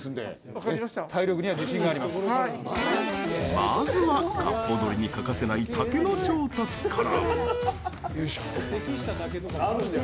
まずはかっぽ鶏に欠かせない竹の調達から。